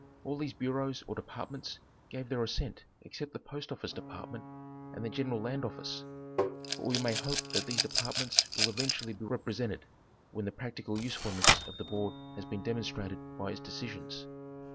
All these bureaus or departments gave their assent except the Post Office Department and the General Land Office ; but we may hope that these departments will eventually be rep resented, when the practical usefulness of the board has been demonstrated by its decisions.